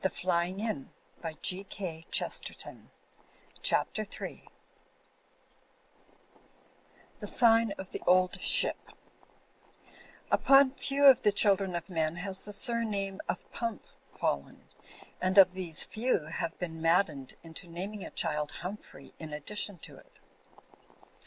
Digitized by CjOOQIC CHAPTER III THE SIGN OF ''tHE OLD SHIP '' Upon few of the children of men has the surname of Pump fallen, and of these few have been maddened into naming a child Humphrey in addition to it.